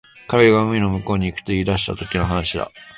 彼が海の向こうに行くと言い出したときの話だ